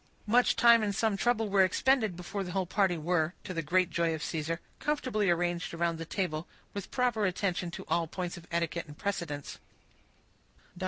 Much time, and some trouble were expended before the whole party were, to the great joy of Caesar, comfortably arranged around the table, with proper attention to all points of etiquette and precedence.